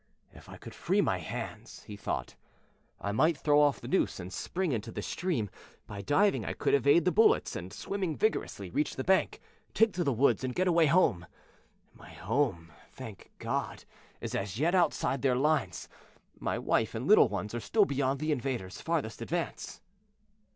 "If I could free my hands," he thought, "I might throw off the noose and spring into the stream. By diving I could evade the bullets and, swimming vigorously, reach the bank, take to the woods and get away home. My home, thank God, is as yet outside their lines; my wife and little ones are still beyond the invader's farthest advance."